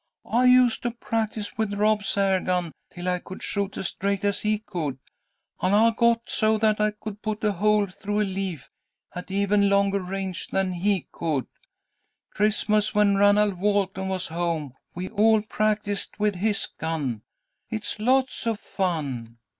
I used to practise with Rob's air gun till I could shoot as straight as he could, and I got so that I could put a hole through a leaf at even longer range than he could. Christmas, when Ranald Walton was home, we all practised with his gun. It's lots of fun.